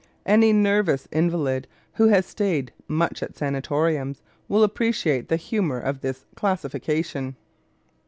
Any nervous invalid who has stayed much at sanatoriums will appreciate the humor of this classification.